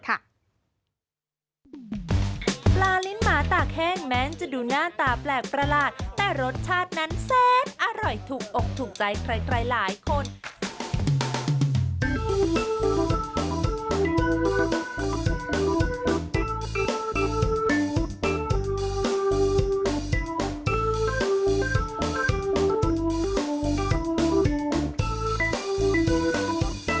คุณผู้ชมครับเดี๋ยวเราจะพักกันสักครู่ช่วงน่าพลาดไม่ได้มีสถานที่ท่องเที่ยวมาแนะนำคุณผู้ชมครับ